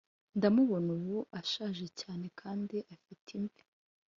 ndamubona ubu, ashaje cyane kandi afite imvi,